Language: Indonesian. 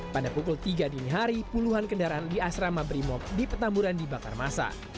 pada pukul tiga dini hari puluhan kendaraan di asrama brimob di petamburan dibakar masa